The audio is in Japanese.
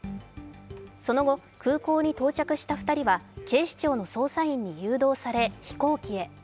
その後、空港に到着した２人は警視庁の捜査員に誘導され飛行機へ。